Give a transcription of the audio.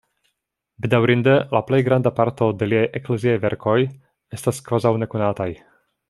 Bedaŭrinde la plej granda parto de liaj ekleziaj verkoj estas kvazaŭ nekonataj.